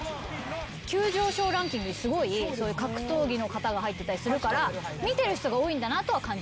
急上昇ランキングにすごい格闘技の方が入ってたりするから見てる人が多いんだなとは感じます。